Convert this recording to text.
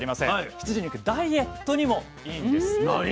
羊肉ダイエットにもイイんです。